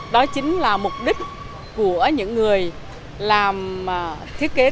đó chính là mục đích của những người làm thiết kế thời trang